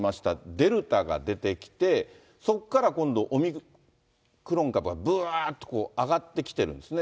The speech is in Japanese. デルタが出てきて、そこから今度、オミクロン株がぶわーっと上がってきてるんですね。